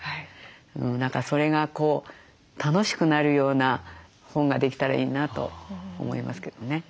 何かそれが楽しくなるような本ができたらいいなと思いますけどね。